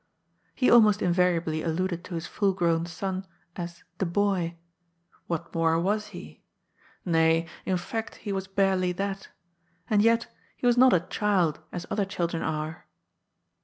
He almost invariably alluded to this full grown son as "the boy." What more was he? Nay, in fact he was barely that. And yet he was not a child, as other children are.